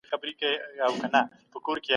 که همکاري وسي پرمختګ چټکېږي.